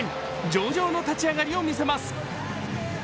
上々の立ち上がりを見せます。